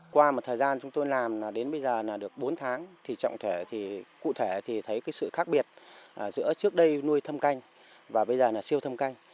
qua một thời gian chúng tôi làm đến bây giờ là được bốn tháng thì trọng thể thì cụ thể thì thấy cái sự khác biệt giữa trước đây nuôi thâm canh và bây giờ là siêu thâm canh